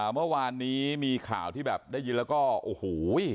เมื่อวานนี้มีข่าวที่แบบได้ยินแล้วก็โอ้โห